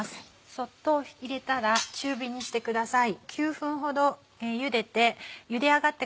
そっと入れたら中火にしてください。